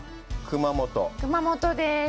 熊本です。